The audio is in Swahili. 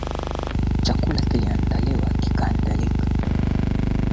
weka bayana ushahidi ambayo chadema inadai kuwa nao